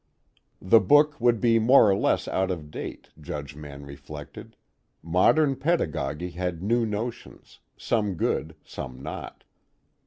The book would be more or less out of date, Judge Mann reflected: modern pedagogy had new notions, some good, some not.